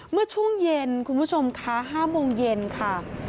เมื่อช่วงเย็นคุณผู้ชมคะ๕โมงเย็นค่ะ